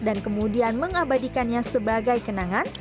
dan kemudian mengabadikannya sebagai kenangan